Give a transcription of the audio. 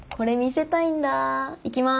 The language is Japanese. いきます。